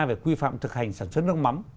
về quy phạm thực hành sản xuất nước mắm